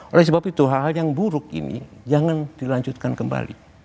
oleh sebab itu hal hal yang buruk ini jangan dilanjutkan kembali